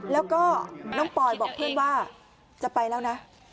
แล้วก็น้องปอยบอกเพื่อนว่าจะไปแล้วนะ